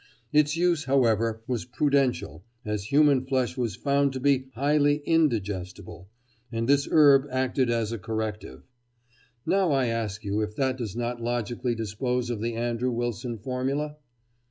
Its use, however, was prudential, as human flesh was found to be highly indigestible, and this herb acted as a corrective." Now I ask you if that does not logically dispose of the Andrew Wilson formula?